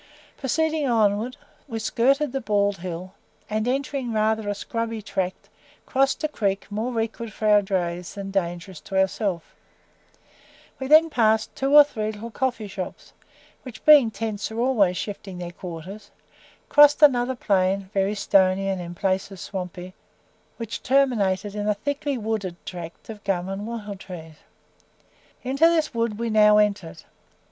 Proceeding onwards, we skirted the Bald Hill, and entering rather a scrubby tract, crossed a creek more awkward for our drays than dangerous to ourselves; we then passed two or three little coffee shops, which being tents are always shifting their quarters, crossed another plain, very stony and in places swampy, which terminated in a thickly wooded tract of gum and wattle trees. Into this wood we now entered.